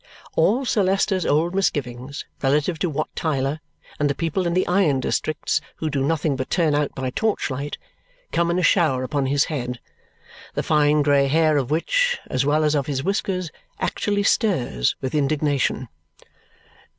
All Sir Leicester's old misgivings relative to Wat Tyler and the people in the iron districts who do nothing but turn out by torchlight come in a shower upon his head, the fine grey hair of which, as well as of his whiskers, actually stirs with indignation.